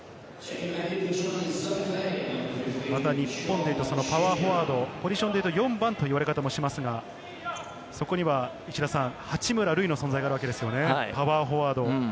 日本でいうと、パワーフォワード、ポジションでいうと、４番といわれますが、そこには、八村塁の存在があるわけですね、パワーフォワード。